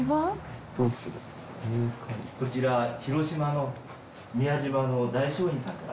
こちら広島の宮島の大聖院さんから。